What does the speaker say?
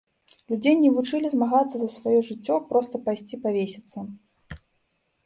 Людзей не вучылі змагацца за сваё жыццё, проста пайсці павесіцца.